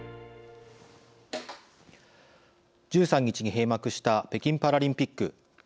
１３日に閉幕した北京パラリンピック。